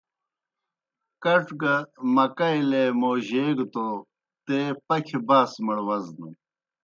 کڇ گہ مکئی لے موجیگہ توْ تے پکھیْ باسمَڑ وزنَن۔